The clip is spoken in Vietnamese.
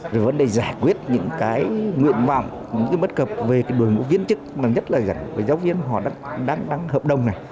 rồi vấn đề giải quyết những cái nguyện vọng những cái bất cập về đối mục viên chức mà rất là gần với giáo viên họ đang hợp đồng này